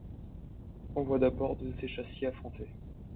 On voit d'abord deux échassiers affrontés.